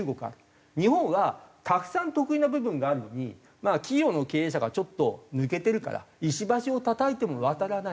日本はたくさん得意な部分があるのに企業の経営者がちょっと抜けてるから石橋をたたいても渡らない。